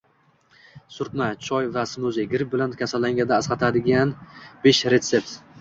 Surtma, choy va smuzi: Gripp bilan kasallanganda asqatadiganbeshretsept